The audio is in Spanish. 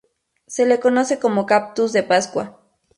Se la conoce como "cactus de pascua".